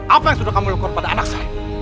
apa yang sudah kamu lakukan pada anak saya